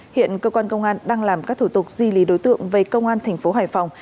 hiện cơ quan công an đang làm các thủ tục di lý đối tượng về công an thành phố hải phòng